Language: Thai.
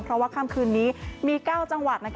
เพราะว่าค่ำคืนนี้มี๙จังหวัด